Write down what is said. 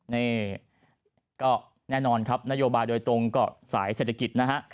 นี่ก็แน่นอนครับนโยบายโดยตรงก็สายเศรษฐกิจนะฮะ